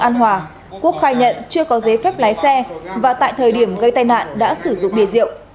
an hòa quốc khai nhận chưa có giấy phép lái xe và tại thời điểm gây tai nạn đã sử dụng bia rượu